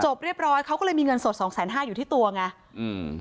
จบเรียบร้อยเขาก็เลยมีเงินสด๒๕๐๐๐๐บาทอยู่ที่ตัวไง